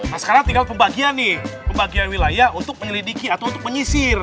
nah sekarang tinggal pembagian nih pembagian wilayah untuk menyelidiki atau untuk menyisir